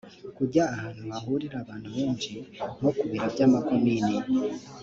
kujya ahantu hahurira abantu benshi nko ku biro by’amakomini